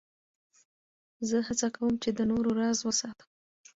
زه هڅه کوم، چي د نورو راز وساتم.